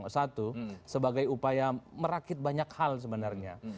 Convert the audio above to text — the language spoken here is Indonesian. satu sebagai upaya merakit banyak hal sebenarnya